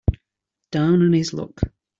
Down on his luck.